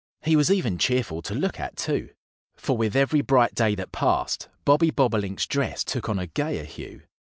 He was even cheerful to look at, too. For with every bright day that passed, Bobby Bobolink's dress took on a gayer hue.